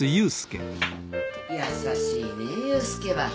優しいねぇ佑介は。